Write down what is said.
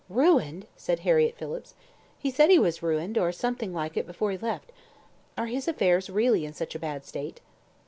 "Ruined!" said Harriett Phillips. "He said he was ruined, or something like it, before he left. Are his affairs really in such a bad state?"